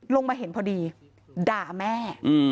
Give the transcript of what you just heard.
ลงมาเห็นพอดีด่าแม่